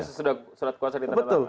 sesudah surat kuasa ditandatangan